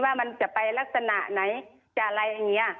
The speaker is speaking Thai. ว่ามันจะไปลักษณะไหนจะอะไรอย่างนี้